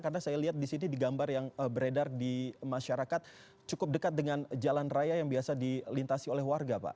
karena saya lihat di sini di gambar yang beredar di masyarakat cukup dekat dengan jalan raya yang biasa dilintasi oleh warga pak